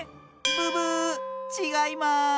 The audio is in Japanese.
ブブーッちがいます！